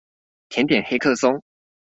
甜點黑客松